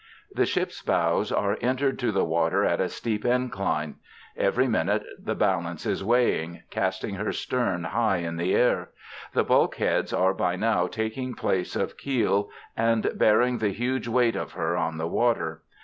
The ship's bows are entered to the water at a steep incline. Every minute the balance is weighing, casting her stern high in the air. The bulkheads are by now taking place of keel and bearing the huge weight of her on the water.